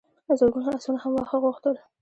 زرګونو آسونو هم واښه غوښتل.